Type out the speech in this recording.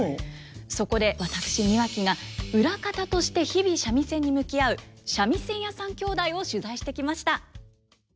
そこで私庭木が裏方として日々三味線に向き合う三味線屋さん兄弟を取材してきました。